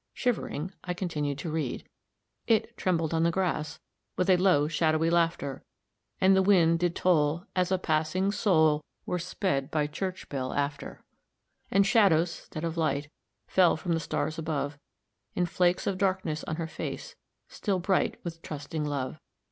Shivering, I continued to read: "It trembled on the grass With a low, shadowy laughter; And the wind did toll, as a passing soul Were sped by church bell after; And shadows 'stead of light, Fell from the stars above, In flakes of darkness on her face Still bright with trusting love.